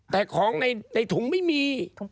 แต่ของในถุงไม่มี